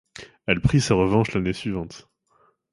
Elle prit sa revanche l'année suivante.